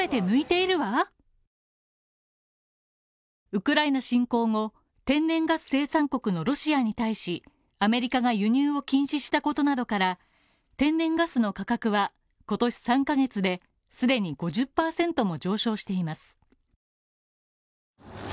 ウクライナ侵攻後、天然ガス生産国のロシアに対し、アメリカが輸入を禁止したことなどから、天然ガスの価格は今年３ヶ月で既に５０％も上昇しています。